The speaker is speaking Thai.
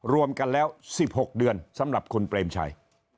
รวมกันแล้ว๑๖เดือนสำหรับคุณเปรมชัย